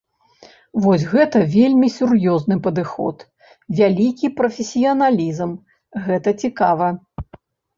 Вось гэта вельмі сур'ёзны падыход, вялікі прафесіяналізм, гэта цікава.